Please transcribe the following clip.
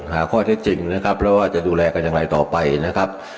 หาข้อเท็จจริงนะครับแล้วว่าจะดูแลกันอย่างไรต่อไปนะครับ